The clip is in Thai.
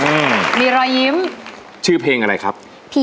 แม่อ่ะอืมมีรอยยิ้มชื่อเพลงอะไรครับ